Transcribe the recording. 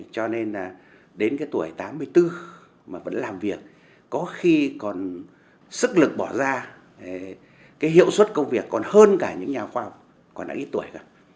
cho nên đến tuổi tám mươi bốn mà vẫn làm việc có khi còn sức lực bỏ ra hiệu suất công việc còn hơn cả những nhà khoa học còn đã ít tuổi